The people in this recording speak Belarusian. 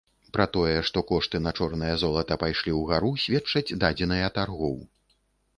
Пра тое, што кошты на чорнае золата пайшлі ў гару, сведчаць дадзеныя таргоў.